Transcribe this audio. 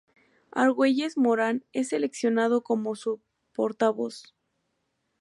Argüelles Morán es seleccionado como su portavoz.